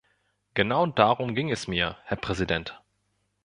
Genau darum ging es mir, Herr Präsident.